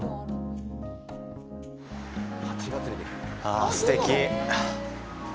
ああ、すてき！